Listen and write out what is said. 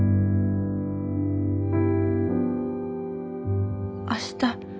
心の声明日